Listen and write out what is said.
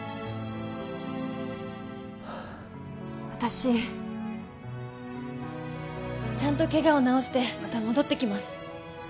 私ちゃんとケガを治してまた戻ってきます